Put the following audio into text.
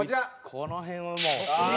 この辺はもう。